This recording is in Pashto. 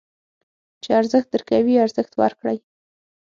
چې ارزښت درکوي، ارزښت ورکړئ.